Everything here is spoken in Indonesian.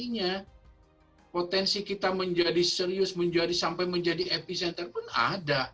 artinya potensi kita menjadi serius sampai menjadi epicenter pun ada